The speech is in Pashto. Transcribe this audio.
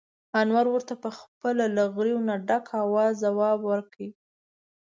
انور ورته په خپل له غريو نه ډک اواز ځواب ور کړ: